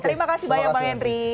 terima kasih banyak bang henry